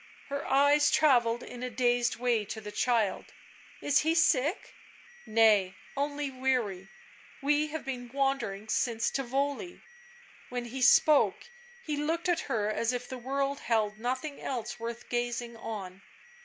Her eyes travelled in a dazed way to the clrild. " Is he sick ?"" Nay, only weary; we have been wandering since Tivoli " While he spoke he looked at her, as if the world held nothing else worth gazing on.